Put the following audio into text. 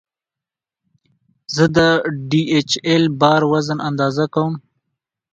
زه د ډي ایچ ایل بار وزن اندازه کوم.